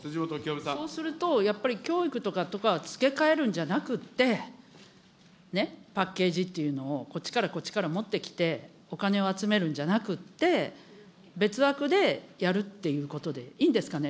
そうすると、やっぱり教育とかと付け替えるんじゃなくて、パッケージっていうのを、こっちからこっちから持ってきて、お金を集めるんじゃなくて、別枠でやるっていうことでいいんですかね。